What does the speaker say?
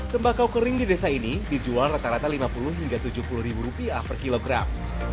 tembakau kering di desa ini dijual rata rata lima puluh hingga rp tujuh puluh ribu rupiah per kilogram